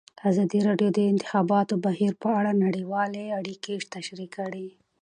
ازادي راډیو د د انتخاباتو بهیر په اړه نړیوالې اړیکې تشریح کړي.